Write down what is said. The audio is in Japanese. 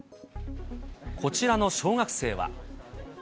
こちらの小学生は。